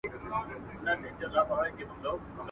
o چي نه دي وي د موره، هغه ته مه وايه چي وروره.